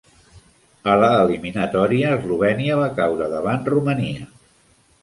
A la eliminatòria, Eslovènia va caure davant Romania.